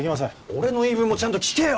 俺の言い分もちゃんと聞けよ！